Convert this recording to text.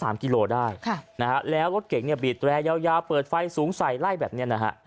สามกิโลได้แล้วรถเก๋งเนี้ยบีดแรายาวเปิดไฟสูงใสไล่แบบนี้นะฮะ